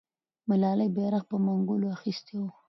ملالۍ بیرغ په منګولو اخیستی وو.